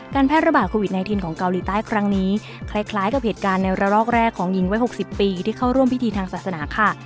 แพร่ระบาดโควิด๑๙ของเกาหลีใต้ครั้งนี้คล้ายกับเหตุการณ์ในระลอกแรกของหญิงวัย๖๐ปีที่เข้าร่วมพิธีทางศาสนาค่ะ